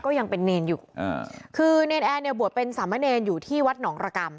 ยังเป็นเนรอยู่อ่าคือเนรนแอร์เนี่ยบวชเป็นสามเณรอยู่ที่วัดหนองระกรรม